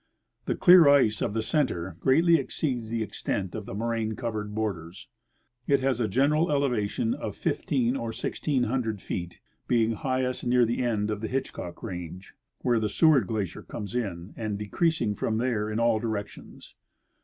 The clear ice of the center greatly exceeds the extent of the moraine cov ered borders. It has a general elevation of fifteen or sixteen hundred feet, being highest near the end of the Hitchcock range, where the Seward glacier comes.in, and decreasing from there in all. directions.